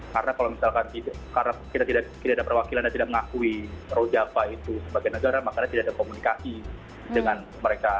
karena kalau misalkan tidak ada perwakilan dan tidak mengakui rojava itu sebagai negara makanya tidak ada komunikasi dengan mereka